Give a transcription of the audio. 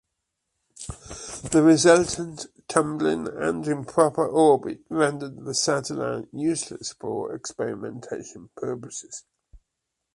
The resultant tumbling and the improper orbit rendered the satellite useless for experimentation purposes.